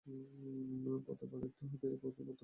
প্রতাপ আদিত্যের হাতে এ পত্র পড়িলে না জানি তিনি কি করিয়া বসেন।